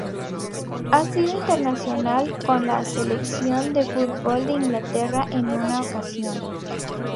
Ha sido internacional con la selección de fútbol de Inglaterra en una ocasión.